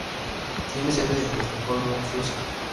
Tiene sede en Estocolmo, Suecia.